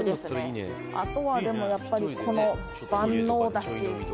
「あとは、でも、やっぱりこの万能だし」